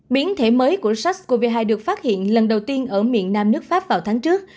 biến thể mới của sars cov hai được phát hiện lần đầu tiên ở miền nam nước pháp vào tháng trước